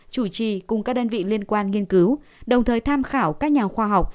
chủ trì cùng các đơn vị liên quan nghiên cứu đồng thời tham khảo các nhà khoa học